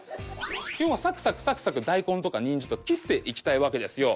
要はサクサクサクサク大根とかニンジンとか切っていきたいわけですよ。